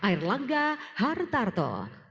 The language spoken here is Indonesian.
air langga hartarto